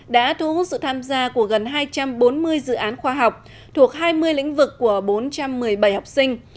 đã thu hút sự tham gia của gần hai trăm bốn mươi dự án khoa học thuộc hai mươi lĩnh vực của bốn trăm một mươi bảy học sinh